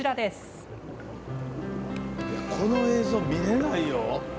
この映像、見れないよ！